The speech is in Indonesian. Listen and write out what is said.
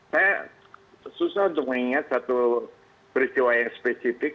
saya susah untuk mengingat satu peristiwa yang spesifik